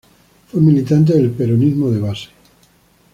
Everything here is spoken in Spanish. Fue militante del Peronismo de Base.